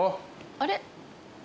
あれ？